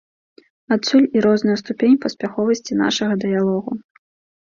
Адсюль і розная ступень паспяховасці нашага дыялогу.